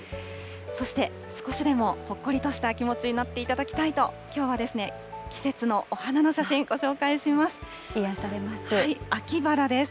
そして、少しでもほっこりとした気持ちになっていただきたいと、きょうはですね、季節のお花の写真、ご紹介します。